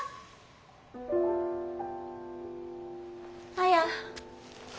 綾。